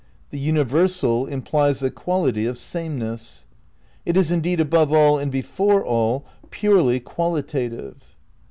The universal implies the quality of sameness. It is, indeed, above all and before all, purely qualitative.